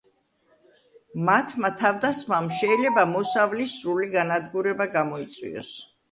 მათმა თავდასხმამ შეიძლება მოსავლის სრული განადგურება გამოიწვიოს.